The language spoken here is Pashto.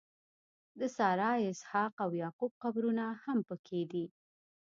د سارا، اسحاق او یعقوب قبرونه هم په کې دي.